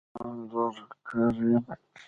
زه انځورګر یم